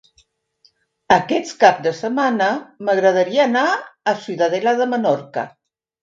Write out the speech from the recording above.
Aquest cap de setmana m'agradaria anar a Ciutadella de Menorca.